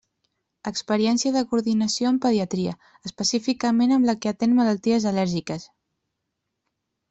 Experiència de coordinació amb pediatria, específicament amb la que atén malalties al·lèrgiques.